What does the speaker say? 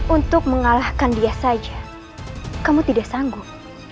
untuk mengalahkan dia saja kamu tidak sanggup